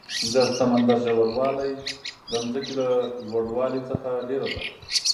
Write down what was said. د سمندر ژور والی د ځمکې له لوړ والي څخه ډېر ده.